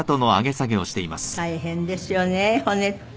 大変ですよね骨って。